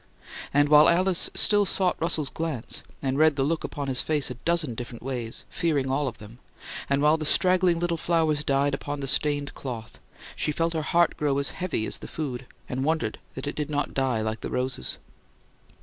And while Alice still sought Russell's glance, and read the look upon his face a dozen different ways, fearing all of them; and while the straggling little flowers died upon the stained cloth, she felt her heart grow as heavy as the food, and wondered that it did not die like the roses.